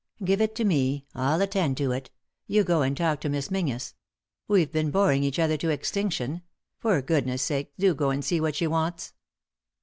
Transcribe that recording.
" Give it to me ; I'll attend to it You go and talk to Miss Menzies. We've been boring each other to extinction ; for goodness' sake do go and see what she wants."